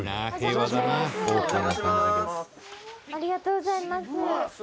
「ありがとうございます」